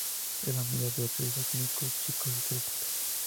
Era la mayor de ocho hijos, cinco chicos y tres chicas.